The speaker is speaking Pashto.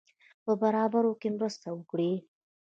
په برابرولو کې مرسته وکړي.